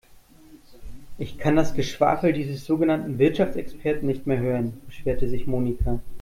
Ich kann das Geschwafel dieses sogenannten Wirtschaftsexperten nicht mehr hören, beschwerte sich Monika.